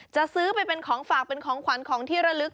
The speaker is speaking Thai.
จะซื้อไปเป็นของฝากเป็นของขวัญของที่ระลึก